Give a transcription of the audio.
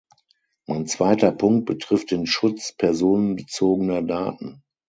Mein zweiter Punkt betrifft den Schutz personenbezogener Daten.